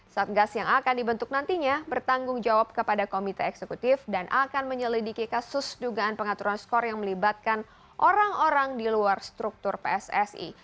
satgas yang akan dibentuk nantinya bertanggung jawab kepada komite eksekutif dan akan menyelidiki kasus dugaan pengaturan skor yang melibatkan orang orang di luar struktur pssi